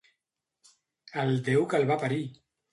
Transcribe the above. El Déu que el va parir!